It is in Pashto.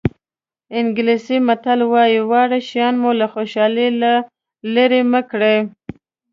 انګلیسي متل وایي واړه شیان مو له خوشحالۍ لرې مه کړي.